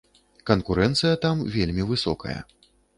Канкурэнцыя там вельмі высокая.